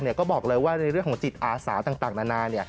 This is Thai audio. ก็บอกเลยว่าในเรื่องของจิตอาสาต่างนานา